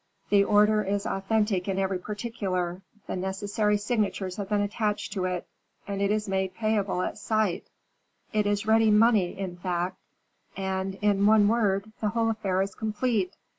The order is authentic in every particular, the necessary signatures have been attached to it, and it is made payable at sight; it is ready money, in fact, and, in one word, the whole affair is complete."